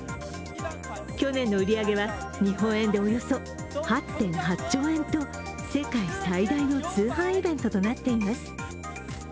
去年の売り上げは日本円でおよそ８．８兆円と世界最大の通販イベントとなっています。